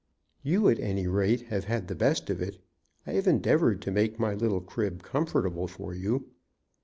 "You, at any rate, have had the best of it. I have endeavored to make my little crib comfortable for you."